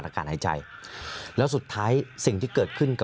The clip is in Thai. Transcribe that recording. สามารถรู้ได้เลยเหรอคะ